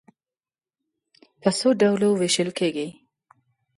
په څو ډلو وېشل کېږي.